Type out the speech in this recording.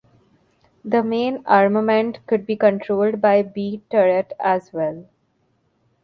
The main armament could be controlled by 'B' turret as well.